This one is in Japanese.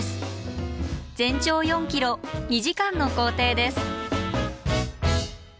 全長４ｋｍ２時間の行程です。